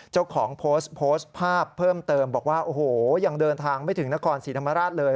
เจ้าของโพสต์โพสต์ภาพเพิ่มเติมบอกว่าโอ้โหยังเดินทางไม่ถึงนครศรีธรรมราชเลย